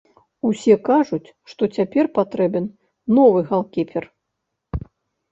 Усё кажуць, што цяпер патрэбен новы галкіпер.